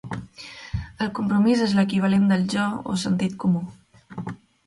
El compromís és l'equivalent del jo o sentit comú.